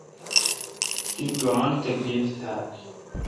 تی گاݨڈ تکیف تھال۔